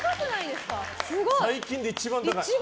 すごい！最近で一番高い。